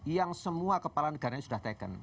yang semua kepala negaranya sudah taken